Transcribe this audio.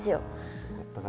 すごかったから。